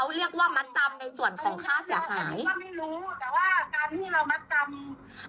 ถ้าเช่าชุดแล้วมัดจำเขาเรียกว่ามัดจำในส่วนของค่าเสียหาย